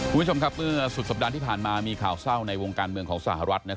คุณผู้ชมครับเมื่อสุดสัปดาห์ที่ผ่านมามีข่าวเศร้าในวงการเมืองของสหรัฐ